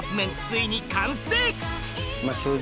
ついに完成！